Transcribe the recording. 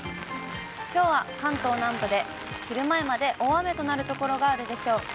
きょうは関東南部で昼前まで大雨となる所があるでしょう。